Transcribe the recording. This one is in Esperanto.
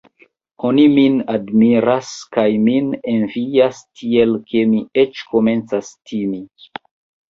Oni min admiras kaj min envias, tiel ke mi eĉ komencas timi.